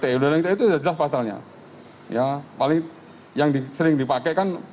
tersebutkan ya pakai udang udang itu udah pasalnya ya paling yang disering dipakai kan empat puluh enam